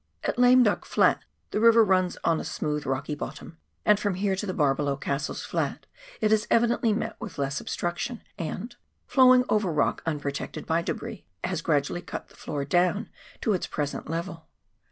At Lame Duck Flat the river runs on a smootb rocky bottom, and from here to the bar below Cassell's Flat it has evidently met with less obstruction, and, flowing over rock unprotected by debris, has gradually cut the floor down to its present level.